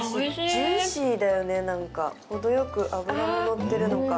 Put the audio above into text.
ジューシーだよね、ほどよく脂がのってるのか。